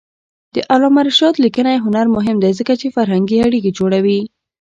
د علامه رشاد لیکنی هنر مهم دی ځکه چې فرهنګي اړیکې جوړوي.